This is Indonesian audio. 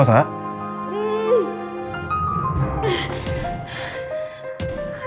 gue gak mau